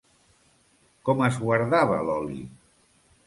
Com es guardava l'oli?